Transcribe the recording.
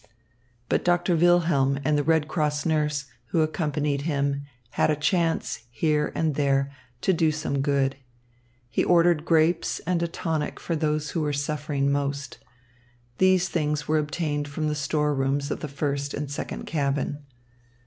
But Doctor Wilhelm and the Red Cross nurse, who accompanied him, had a chance, here and there, to do some good. He ordered grapes and a tonic for those who were suffering most. These things were obtained from the store rooms of the first and second cabin.